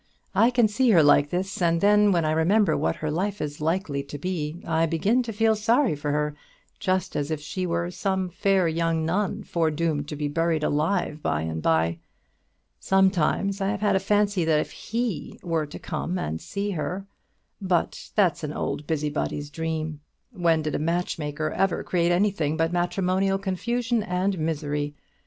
I can see her like this; and then, when I remember what her life is likely to be, I begin to feel sorry for her, just as if she were some fair young nun, foredoomed to be buried alive by and by. Sometimes I have had a fancy that if he were to come home and see her but that's an old busybody's dream. When did a matchmaker ever create anything but matrimonial confusion and misery?